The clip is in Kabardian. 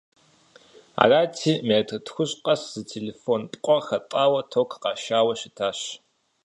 Арати, метр тхущӀ къэс зы телефон пкъо хатӀэурэ ток къашауэ щытащ.